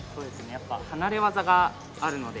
やっぱり離れ技があるので。